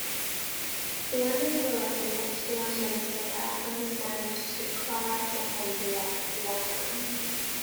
Bierman grew up in Litchfield, Minnesota and was married to Clara McKenzie Bierman.